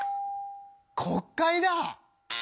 国会だ！